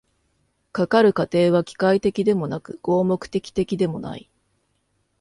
かかる過程は機械的でもなく合目的的でもない。